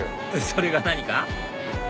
それが何か？